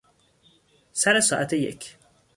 سر ساعت یک